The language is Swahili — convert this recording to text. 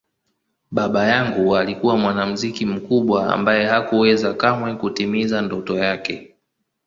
Baba yangu alikuwa mwanamuziki mkubwa ambaye hakuweza kamwe kutimiza ndoto yake.